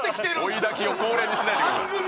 追い焚きを恒例にしないでください